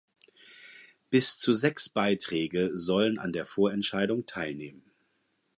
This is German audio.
Bis zu sechs Beiträge sollen an der Vorentscheidung teilnehmen.